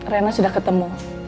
rena sudah ketemu